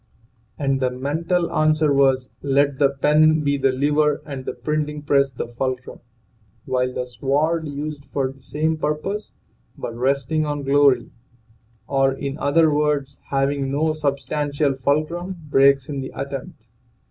225 226 THE SEVEN FOLLIES OF SCIENCE And the mental answer was: Let the pen be the lever and the printing press the fulcrum, while the sword, used for the same purpose but resting on glory, or in other words, having no substantial fulcrum, breaks in the attempt.